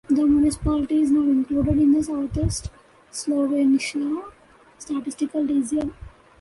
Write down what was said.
The municipality is now included in the Southeast Slovenia Statistical Region.